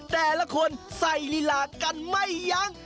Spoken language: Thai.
แต่ละคนใส่ลีลากันไม่ยั้ง